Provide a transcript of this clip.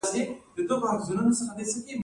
د لاجوردو لاره کوم هیوادونه نښلوي؟